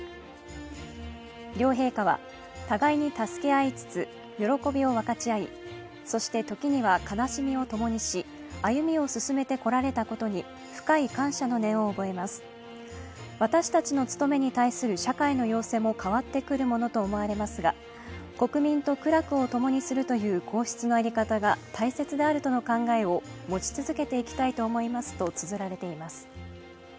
両陛下は互いに助け合いつつ喜びを分かち合い、そして時には悲しみをともにし歩みを進めてこられたことに深い感謝の念を覚えます、私たちの務めに対する社会の要請も変わってくるものと思われますが、国民と苦楽を共にするという皇室の在り方が大切であるとの考えを、持ち続けていきたいと思いますとつづられています。